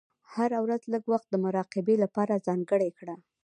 هره ورځ لږ وخت د مراقبې لپاره ځانګړی کړه.